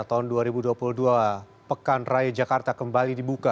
tahun dua ribu dua puluh dua pekan raya jakarta kembali dibuka